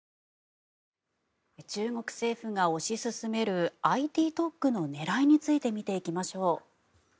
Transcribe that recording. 中国政府が推し進めるＩＴ特区の狙いについて見ていきましょう。